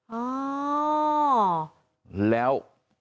โอ้แล้ว